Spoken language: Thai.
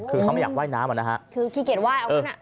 คือเขาไม่อยากว่ายน้ำอ่ะนะฮะคือขี้เกียจไห้เอางั้นอ่ะ